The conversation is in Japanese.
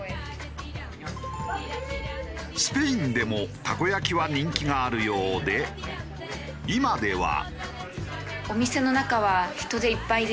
スペインでもたこ焼きは人気があるようで今では。